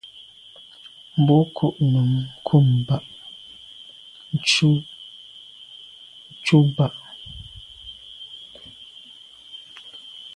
Mbwôg ko’ num kum ba’ ntshùb tu ba’.